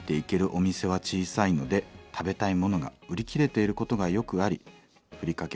お店は小さいので食べたいものが売り切れていることがよくありふりかけ